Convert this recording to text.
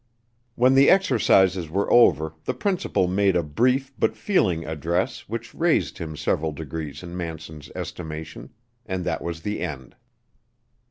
When the exercises were over the principal made a brief but feeling address which raised him several degrees in Manson's estimation, and that was the end.